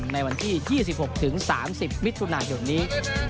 ในวันที่๒๖๓๐มิตรุนาที่วันนี้